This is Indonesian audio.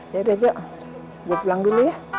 yaudah jok gua pulang dulu ya